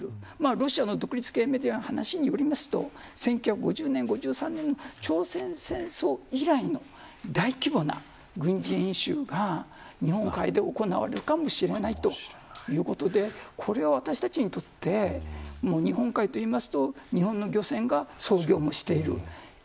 ロシアの独立系メディアによりますと朝鮮戦争以来の大規模な軍事演習が日本海で行われるかもしれないということでこれは私たちにとって日本海というと日本の漁船が操業もしている場所です。